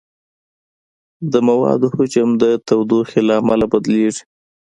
د موادو حجم د تودوخې له امله بدلېږي.